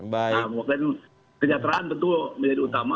nah mungkin kejahteraan tentu menjadi utama